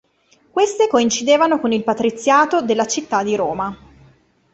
Queste coincidevano con il Patriziato della città di Roma.